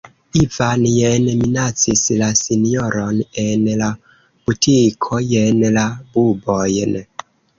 Ivan jen minacis la sinjoron en la butiko, jen la bubojn.